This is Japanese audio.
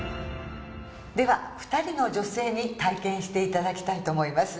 では２人の女性に体験していただきたいと思います。